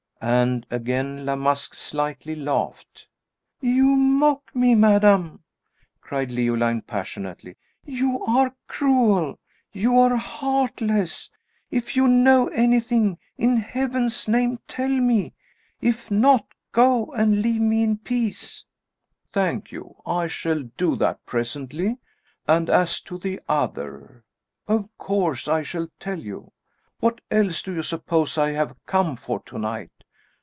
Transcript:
and again La Masque slightly laughed. "You mock me, madame!" cried Leoline, passionately. "You are cruel you are heartless! If you know anything, in Heaven's name tell me if not, go and leave me in peace!" "Thank you! I shall do that presently; and as to the other of course I shall tell you; what else do you suppose I have come for to night?